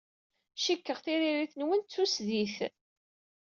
Cikkeɣ tiririt-nwen d tusdidt.